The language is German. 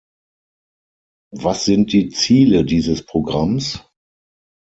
Was sind die Ziele dieses Programms?